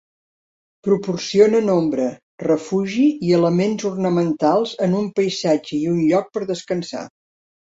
Proporcionen ombra, refugi i elements ornamentals en un paisatge i un lloc per descansar.